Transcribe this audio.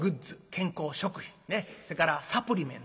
健康食品それからサプリメント。